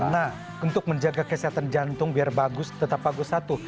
nah untuk menjaga kesehatan jantung biar bagus tetap bagus satu